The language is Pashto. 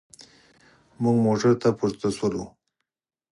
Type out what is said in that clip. موږ موټر ته پورته شولو.